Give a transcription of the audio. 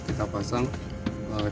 kita pasang dari tempat yang terdekat